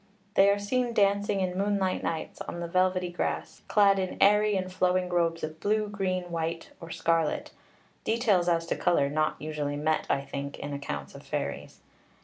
They are seen dancing in moonlight nights on the velvety grass, clad in airy and flowing robes of blue, green, white, or scarlet details as to colour not usually met, I think, in accounts of fairies.